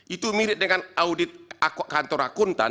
itu mirip dengan audit kantor akuntan